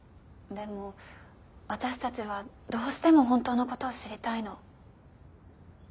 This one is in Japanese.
でも私たちはどうしても本当の事を知りたいの。